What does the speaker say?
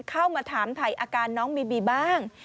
เข้ามาถามถ่ายอาการน้องบีบีบ้าง